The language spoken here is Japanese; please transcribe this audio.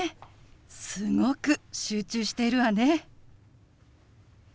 すごく集中しているわね。